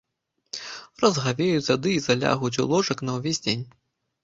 Разгавеюцца ды й залягуць у ложак на ўвесь дзень.